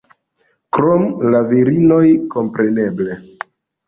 Krom la virinoj, kompreneble